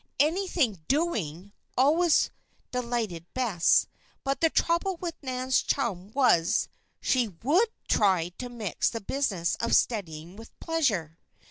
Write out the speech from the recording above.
Anything "doing" always delighted Bess; but the trouble with Nan's chum was, she would try to mix the business of studying with pleasure.